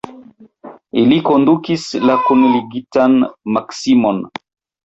Ili kondukis la kunligitan Maksimon.